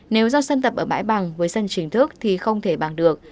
nếu do sân tập ở bãi bằng với sân chính thức thì không thể bằng được